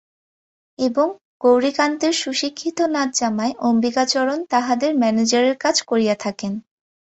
এবং গৌরীকান্তের সুশিক্ষিত নাতজামাই অম্বিকাচরণ তাঁহাদের ম্যানেজারের কাজ করিয়া থাকেন।